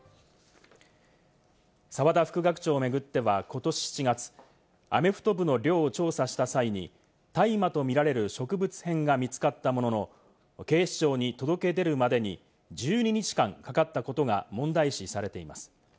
澤田副学長を巡ってはことし７月、アメフト部の寮を調査した際に大麻とみられる植物片が見つかったものの、警視庁に届け出るまでに１２日間かかったことが問題視されています。